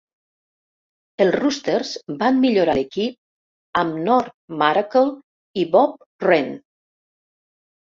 Els Roosters van millorar l'equip amb Norm Maracle i Bob Wren.